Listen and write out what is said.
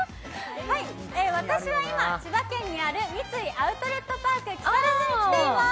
私は今、千葉県にある三井アウトレットパーク木更津に来ています。